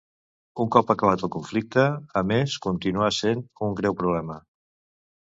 Un cop acabat el conflicte, a més, continua sent un greu problema